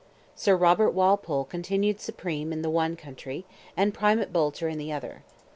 Sir Robert Walpole continued supreme in the one country, and Primate Boulter in the other.